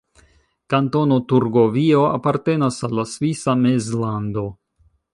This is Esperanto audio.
Kantono Turgovio apartenas al la Svisa Mezlando.